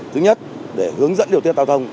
thứ nhất để hướng dẫn điều tiết giao thông